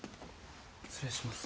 失礼します。